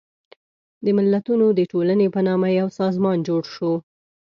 د ملتونو د ټولنې په نامه یو سازمان جوړ شو.